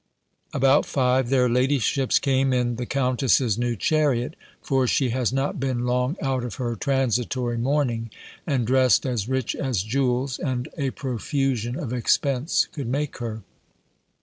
About five, their ladyships came in the countess's new chariot: for she has not been long out of her transitory mourning, and dressed as rich as jewels, and a profusion of expense, could make her.